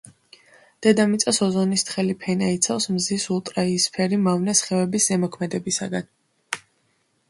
დედამიწას ოზონის თხელი ფენა იცავს მზის ულტრაიისფერი მავნე სხივების ზემოქმედებისაგან.